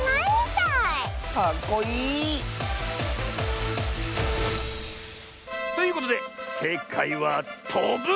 かっこいい。ということでせいかいはとぶ！